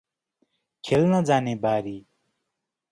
खेल्न जाने बारी ।